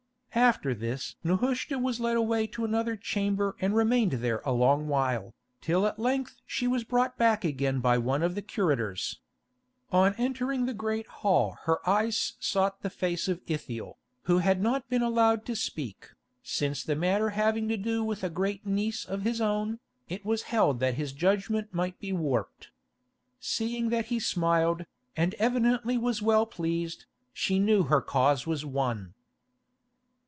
After this Nehushta was led away to another chamber and remained there a long while, till at length she was brought back again by one of the curators. On entering the great hall her eyes sought the face of Ithiel, who had not been allowed to speak, since the matter having to do with a great niece of his own, it was held that his judgment might be warped. Seeing that he smiled, and evidently was well pleased, she knew her cause was won.